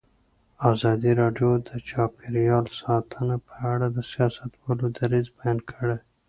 ازادي راډیو د چاپیریال ساتنه په اړه د سیاستوالو دریځ بیان کړی.